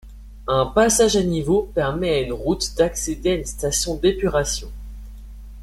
Un passage à niveau permet à une route d'accéder à une station d'épuration.